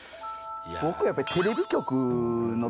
僕やっぱり。